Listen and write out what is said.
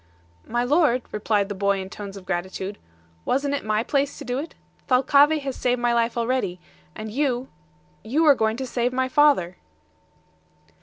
"My lord," replied the boy in tones of gratitude, "wasn't it my place to do it? Thalcave has saved my life already, and you you are going to save my father."